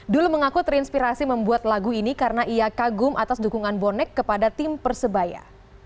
dul mengaku terinspirasi membuat lagu ini karena ia kagum atas dukungan bonek kepada tim persebaya